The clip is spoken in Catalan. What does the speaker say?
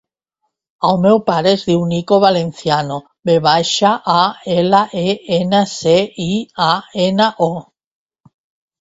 El meu pare es diu Niko Valenciano: ve baixa, a, ela, e, ena, ce, i, a, ena, o.